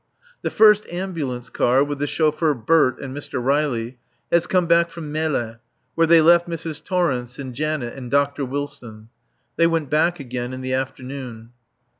The first ambulance car, with the chauffeur Bert and Mr. Riley, has come back from Melle, where they left Mrs. Torrence and Janet and Dr. Wilson. They went back again in the afternoon.